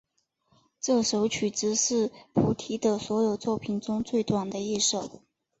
这首曲子是萨提的所有作品中最短的一首。